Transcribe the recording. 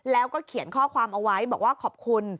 แล้วก็เขียนข้อความเอาไว้บอกว่าขอบคุณ